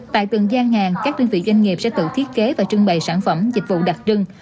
tại từng gian hàng các đơn vị doanh nghiệp sẽ tự thiết kế và trưng bày sản phẩm dịch vụ đặc trưng